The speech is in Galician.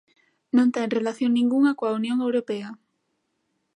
Non ten relación ningunha coa Unión Europea.